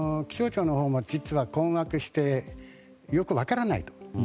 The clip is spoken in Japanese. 気象庁のほうも実は困惑してよく分からないと。